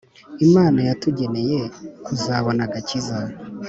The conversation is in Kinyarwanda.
Imana yatugeneye kuzabona agakiza